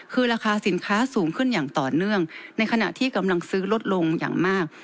คือราคาสินค้าสูงขึ้นอย่างต่อเนื่องในขณะที่กำลังซื้อลดลงอย่างมาก